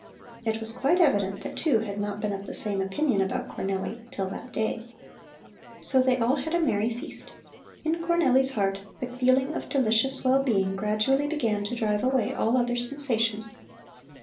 It was quite evident that two had not been of the same opinion about Cornelli till that day. So they all had a merry feast. In Cornelli's heart the feeling of delicious well being gradually began to drive away all other sensations.